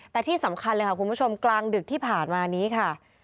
แต่ที่สำคัญเลยค่ะคุณผู้ชมกลางดึกที่ผ่านมานี้ค่ะ